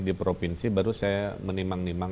di provinsi baru saya menimang nimang